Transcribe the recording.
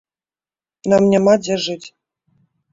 Нам няма дзе жыць.